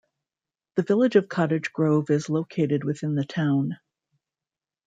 The Village of Cottage Grove is located within the town.